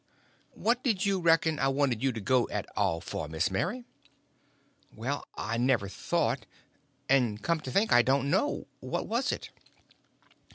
"What did you reckon I wanted you to go at all for, Miss Mary?" "Well, I never thought—and come to think, I don't know. What was it?"